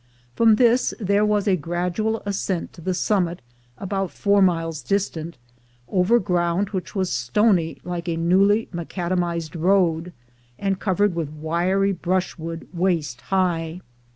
From this there was a gradual ascent to the summit, about four miles distant, over ground which was stony, like a newly macadamized road, and covered with wiry brushwood waist high.